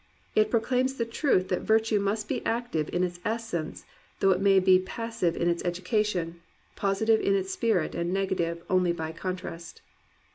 It proclaims the truth that virtue must be active in its essence though it may also be passive in its education, positive in its spirit and negative only by contrast.